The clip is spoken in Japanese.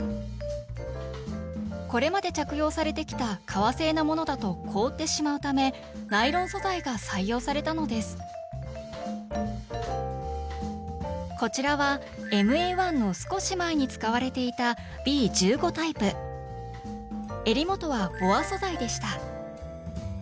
これまで着用されてきた革製のものだと凍ってしまうためナイロン素材が採用されたのですこちらはＭＡ−１の少し前に使われていたえり元はボア素材でした。